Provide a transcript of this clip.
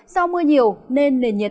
sau mưa nhiều nên nền nhiệt